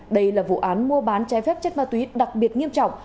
đây là vụ án mua bán trái phép chất ma túy đặc biệt nghiêm trọng